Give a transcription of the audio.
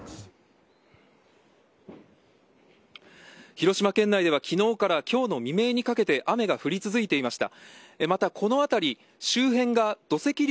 広島県内では昨日から今日の未明にかけて雨が降り続いていました。